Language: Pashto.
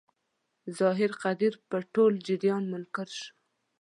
ظاهر قدیر پر ټول جریان منکر شو.